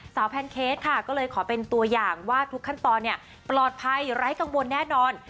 แพนเค้กค่ะก็เลยขอเป็นตัวอย่างว่าทุกขั้นตอนปลอดภัยไร้กังวลแน่นอน